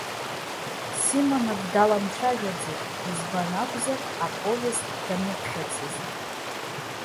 Симонов даламцәажәаӡеит, избан акәзар аповест дамыԥхьацызт.